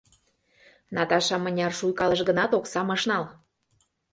Наташа мыняр шуйкалыш гынат, оксам ыш нал.